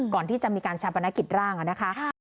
ก่อนที่จะมีการชาปนกิจร่างนะคะ